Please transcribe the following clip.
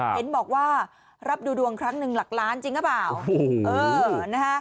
ค่ะเห็นบอกว่ารับดูดวงครั้งหนึ่งหลักล้านจริงหรือเปล่าโอ้โหเออนะฮะ